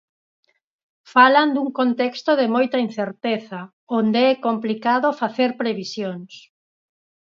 Falan dun contexto de moita incerteza onde é complicado facer previsións.